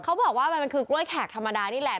เขาบอกว่ามันคือกล้วยแขกธรรมดานี่แหละ